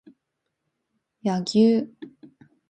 柳生